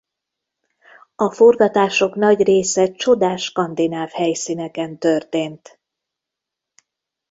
A forgatások nagy része csodás skandináv helyszíneken történt.